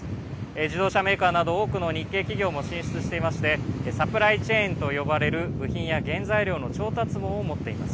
自動車メーカーなど多くの日系企業も進出していましてサプライチェーンと呼ばれる部品や原材料の調達網を持っています。